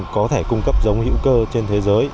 có thể cung cấp giống hữu cơ trên thế giới